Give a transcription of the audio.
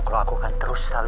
kalau aku kan terus selalu